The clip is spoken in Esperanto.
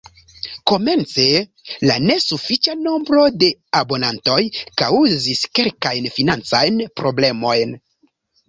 Komence la nesufiĉa nombro de abonantoj kaŭzis kelkajn financajn problemojn.